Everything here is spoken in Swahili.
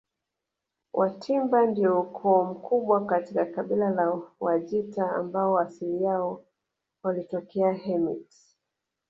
Watimba ndio ukoo mkubwa katika kabila la Wajita ambao asili yao walitokea Hemit